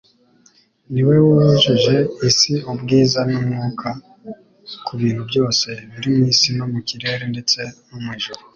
Ni we wujuje isi ubwiza n'umwuka ku bintu byose biri mu isi no mu kirere ndetse no mu ijuru,